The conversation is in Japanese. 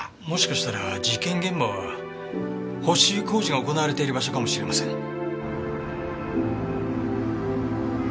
もしかしたら事件現場は補修工事が行われている場所かもしれません。